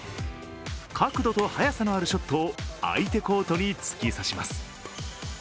角度と速さのあるショットを相手コートに突き刺します。